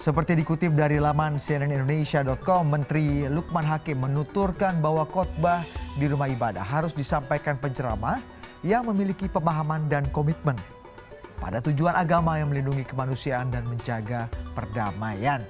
seperti dikutip dari laman cnnindonesia com menteri lukman hakim menuturkan bahwa khutbah di rumah ibadah harus disampaikan penceramah yang memiliki pemahaman dan komitmen pada tujuan agama yang melindungi kemanusiaan dan menjaga perdamaian